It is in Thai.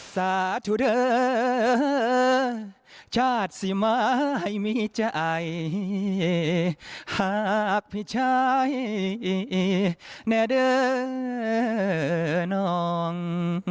สาธุเดอร์ชาติสิมาให้มีใจหากพี่ชัยแน่เด้อน้อง